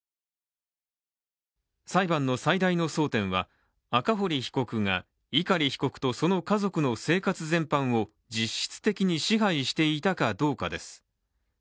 裁判の最大の争点は赤堀被告が碇被告とその家族の生活全般を実質的に支配していたかどうかです